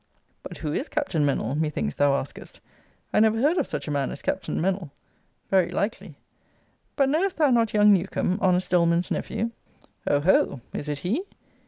But who is Capt. Mennell? methinks thou askest: I never heard of such a man as Captain Mennell. Very likely. But knowest thou not young Newcomb, honest Doleman's newphew? O ho! Is it he?